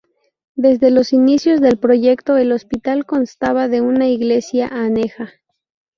Desde los inicios del proyecto el Hospital constaba de una Iglesia aneja.